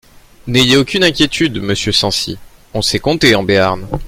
N’ayez aucune inquiétude, monsieur Censi, on sait compter en Béarn.